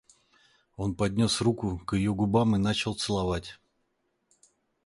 Он поднес руку ее к губам и стал целовать.